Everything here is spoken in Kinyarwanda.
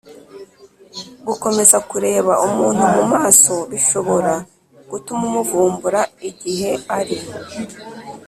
gukomeza kureba umuntu mu maso bishobora gutuma umuvumbura igihe ari